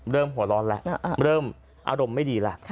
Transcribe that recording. หัวร้อนแล้วเริ่มอารมณ์ไม่ดีแล้ว